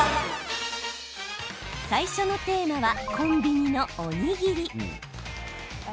最初のテーマはコンビニのおにぎり。